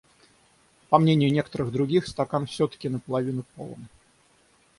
По мнению некоторых других, стакан все-таки на половину полон.